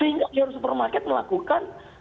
sehingga di supermarket melakukan